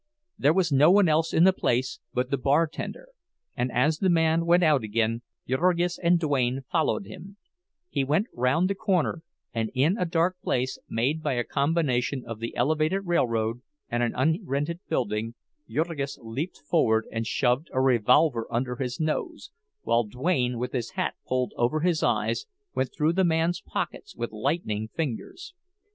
There was no one else in the place but the bartender, and as the man went out again Jurgis and Duane followed him; he went round the corner, and in a dark place made by a combination of the elevated railroad and an unrented building, Jurgis leaped forward and shoved a revolver under his nose, while Duane, with his hat pulled over his eyes, went through the man's pockets with lightning fingers.